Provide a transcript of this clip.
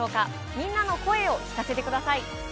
みんなの声を聞かせてください。